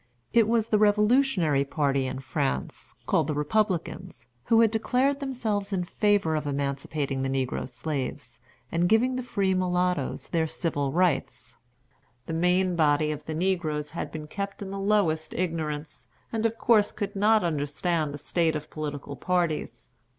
It was the revolutionary party in France, called Republicans, who had declared themselves in favor of emancipating the negro slaves, and giving the free mulattoes their civil rights. The main body of the negroes had been kept in the lowest ignorance, and of course could not understand the state of political parties.